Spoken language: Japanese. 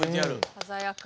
鮮やか。